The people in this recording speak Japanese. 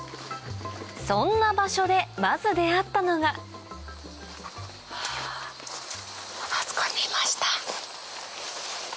そんな場所でまず出合ったのがあそこにいました。